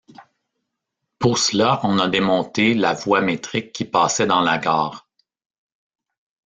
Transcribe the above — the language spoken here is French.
Pour cela on a démonté la voie métrique qui passait dans la gare.